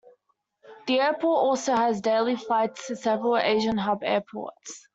The Airport also has daily flights to several Asian hub airports.